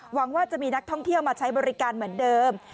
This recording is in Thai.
หวังว่าจะมีนักท่องเที่ยวมาใช้บริการเหมือนเดิม